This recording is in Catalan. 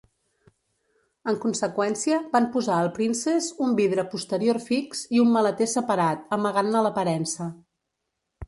En conseqüència, van posar al Princess un vidre posterior fix i un maleter separat, amagant-ne l'aparença.